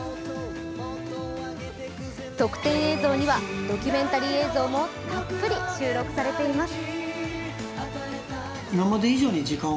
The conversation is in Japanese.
特典映像にはドキュメンタリー映像もたっぷり収録されています。